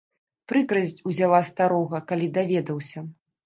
Прыкрасць узяла старога, калі даведаўся.